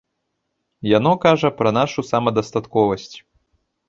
Яно кажа пра нашу самадастатковасць.